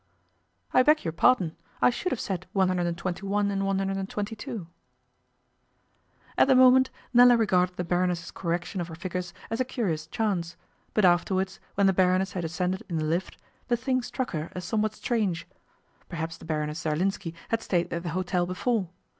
'I beg your pardon. I should have said 121 and 122.' At the moment Nella regarded the Baroness's correction of her figures as a curious chance, but afterwards, when the Baroness had ascended in the lift, the thing struck her as somewhat strange. Perhaps the Baroness Zerlinski had stayed at the hotel before.